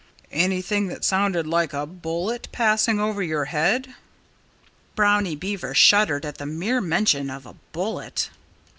"Anything that sounded like a bullet passing over your head?" Brownie Beaver shuddered at the mere mention of a bullet.